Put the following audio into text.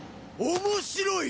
面白い！